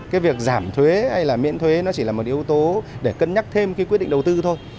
cái việc giảm thuế hay là miễn thuế nó chỉ là một yếu tố để cân nhắc thêm cái quyết định đầu tư thôi